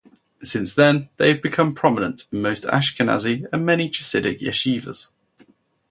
Since then, they have become prominent in most Ashkenazi and many Chassidic yeshivas.